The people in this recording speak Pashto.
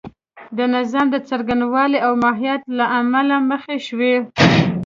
د نظام د څرنګوالي او ماهیت له امله مخ شوې.